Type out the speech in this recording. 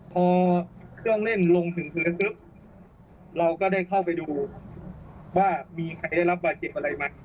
พอเครื่องเล่นลงถึงพื้นปุ๊บเราก็ได้เข้าไปดูว่ามีใครได้รับบาดเจ็บอะไรไหม